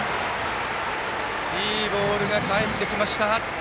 いいボールが返ってきました。